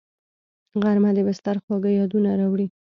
غرمه د بستر خواږه یادونه راوړي